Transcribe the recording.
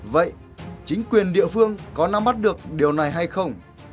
vậy chính quyền địa phương có nắm bắt được điều này hay không